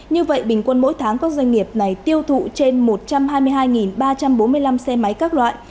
như vậy bình quân mỗi tháng các doanh nghiệp này tiêu thụ trên một trăm hai mươi hai ba trăm bốn mươi năm xe máy các loại